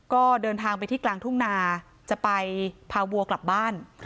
ก็เดินทางไปที่กลางทุ่งนาจะไปพาวัวกลับบ้าน